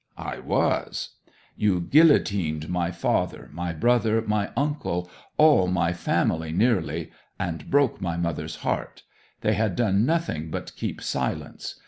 "I was." '"You guillotined my father, my brother, my uncle all my family, nearly, and broke my mother's heart. They had done nothing but keep silence.